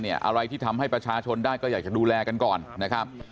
อะไรที่ทำให้ประชาชนได้ก็อยากจะดูแลกันก่อนนะครับ